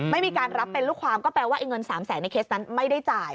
ไม่มีการรับเป็นลูกความก็แปลว่าเงิน๓แสนในเคสนั้นไม่ได้จ่าย